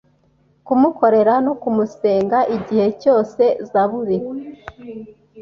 kumukorera no kumusenga igihe cyose Zaburi